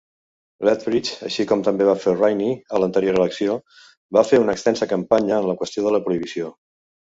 Lethbridge, així com també va fer Raney a l'anterior elecció, va fer una extensa campanya en la qüestió de la prohibició.